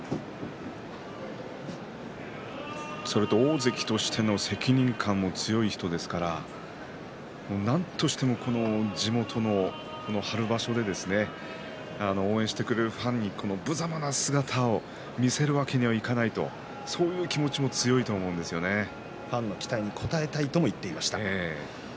それと大関としての責任感も強い人ですからなんとしても地元の春場所で応援してくれるファンにぶざまな姿を見せるわけにはいかないとそういう気持ちも強いとファンの期待に応えたいとも言っていました。